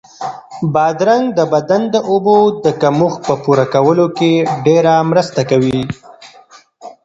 بادرنګ د بدن د اوبو د کمښت په پوره کولو کې ډېره مرسته کوي.